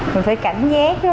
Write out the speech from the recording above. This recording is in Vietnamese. mình phải cảnh giác